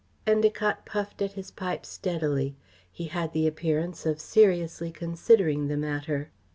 Endacott puffed at his pipe steadily. He had the appearance of seriously considering the matter.